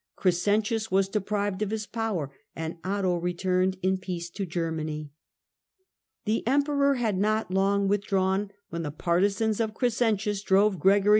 Crescentius was deprived of his power, and Otto returned in peace to Germany. Second The Emperor had not long withdrawn when the pedition, partisans of Crescentius drove Gregory V.